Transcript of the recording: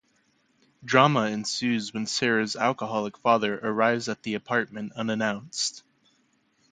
Drama ensues when Sarah's alcoholic father arrives at the apartment unannounced.